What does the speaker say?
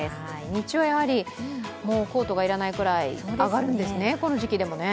日中はコートがいらないぐらい上がるんですね、この時期でも、。